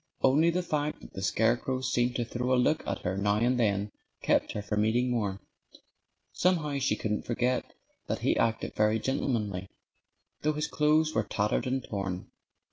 Only the fact that the scarecrow seemed to throw a look at her now and then kept her from eating more. Somehow she couldn't forget that he acted very gentlemanly, though his clothes were tattered and torn.